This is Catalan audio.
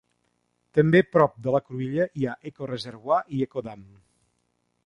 També prop de la cruïlla hi ha Echo Reservoir i Echo Dam.